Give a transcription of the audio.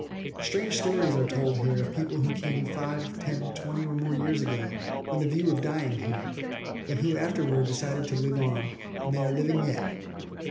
Strange stories are told here of people who came five, ten, twenty or more years ago, with a view of dying here, but who afterward decided to live on, and they are living yet.